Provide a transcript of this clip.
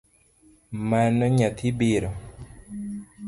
Mano nyathi biro?